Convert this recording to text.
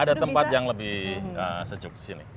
ada tempat yang lebih sejuk disini